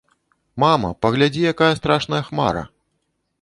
Мама, паглядзі, якая страшная хмара!